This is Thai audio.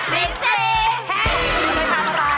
ไม่มาตลาย